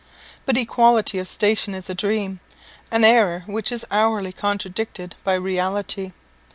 But equality of station is a dream an error which is hourly contradicted by reality.